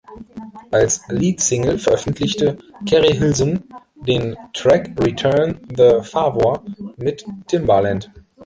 Als Lead-Single veröffentlichte Keri Hilson den Track "Return the Favor" mit Timbaland.